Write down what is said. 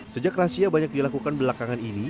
sejak razia banyak dilakukan belakangan ini